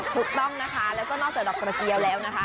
ถูกต้องนะคะแล้วก็นอกจากดอกกระเจียวแล้วนะคะ